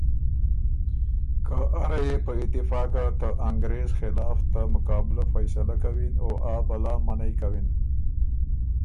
که اره يې په اتفاقه ته انګرېز خلاف ته مقابلۀ فیصلۀ کَوِن او آ بلا منعئ کَوِن۔